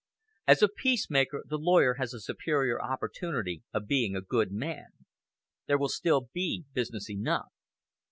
As a peacemaker the lawyer has a superior opportunity of being a good man. There will still be business enough."